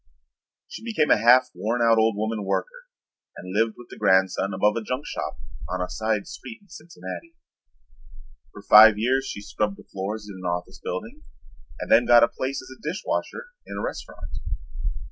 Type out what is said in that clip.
She became a half worn out old woman worker and lived with the grandson above a junk shop on a side street in Cincinnati. For five years she scrubbed the floors in an office building and then got a place as dish washer in a restaurant.